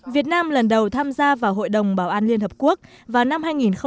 việt nam lần đầu tham gia vào hội đồng bảo an liên hợp quốc vào năm hai nghìn tám hai nghìn chín